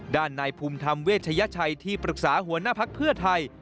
นายภูมิธรรมเวชยชัยที่ปรึกษาหัวหน้าภักดิ์เพื่อไทย